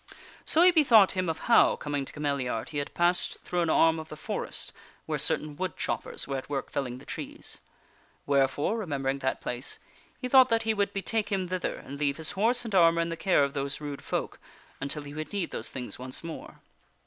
So he bethought him of how, coming to Cameliard, he had passed through an arm of the forest where certain wood choppers were at work felling the trees. Wherefore, remembering that place, he thought that he would betake him thither and leave his horse and armor in the care of those rude folk until he would need those things once more.